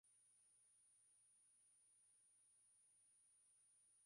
Tutakula chakula kizuri